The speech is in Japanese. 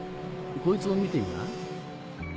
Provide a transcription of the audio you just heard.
こいつを見てみな。